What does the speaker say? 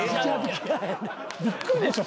びっくりでしょ